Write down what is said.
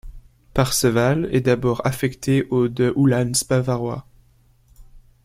Parseval est d'abord affecté au de Uhlans bavarois.